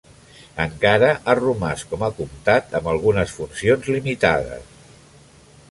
Encara ha romàs com a comtat amb algunes funcions limitades.